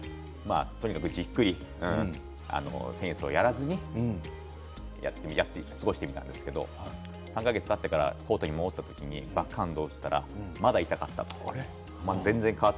３か月ラケットを置いてとにかくじっくりテニスをやらずに過ごしてみたんですけど３か月たってからコートに戻った時にバックハンドを打ったら、まだ痛かったと。